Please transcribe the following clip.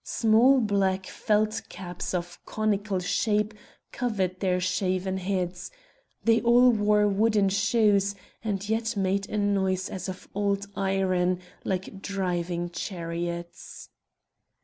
Small black felt caps of conical shape covered their shaven heads; they all wore wooden shoes, and yet made a noise as of old iron like driving chariots.